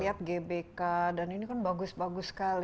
kita sudah bisa jadi ternyata ini kan bagus bagus sekali